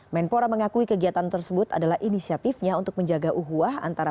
menpora mengakui kegiatan tersebut adalah inisiatifnya untuk menjaga uhuah antara